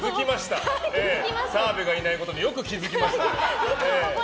澤部がいないことによく気づきましたね。